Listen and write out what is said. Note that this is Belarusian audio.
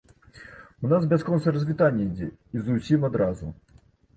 У нас бясконцае развітанне ідзе, і з усім адразу.